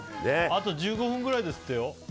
あと１５分ぐらいですってよ。